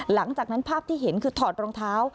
หลังจากนั้นภาพที่เห็นคือถอดรองเท้า